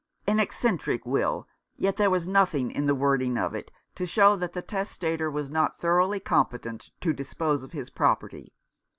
An eccentric will ; yet there was nothing in the wording of it to show that the testator was not thoroughly competent to dispose of his property.